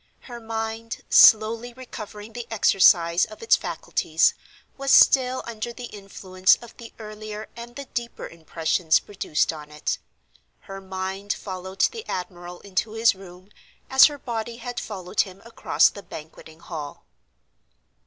Her mind, slowly recovering the exercise of its faculties, was still under the influence of the earlier and the deeper impressions produced on it. Her mind followed the admiral into his room, as her body had followed him across the Banqueting Hall.